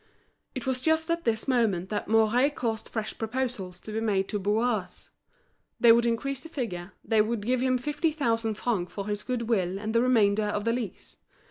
It was just at this moment that Mouret caused fresh proposals to be made to Bourras; they would increase the figure, they would give him fifty thousand francs for his good will and the remainder of the lease.